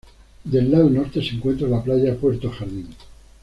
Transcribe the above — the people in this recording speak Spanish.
Del lado Norte se encuentra la Playa Puerto Jardín.